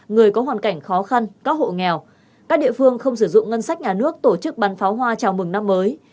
người có hoàn cảnh khó khăn các hộ nghèo các địa phương không sử dụng ngân sách nhà nước tổ chức bắn pháo hoa chào mừng năm mới